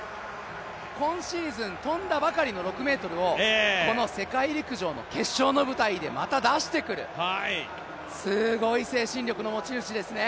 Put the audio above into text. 今シーズン跳んだばかりの６ｍをこの世界陸上の決勝の舞台でまた出してくるすごい精神力の持ち主ですね。